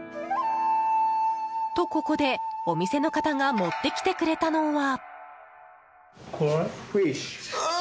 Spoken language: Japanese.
と、ここでお店の方が持ってきてくれたのは。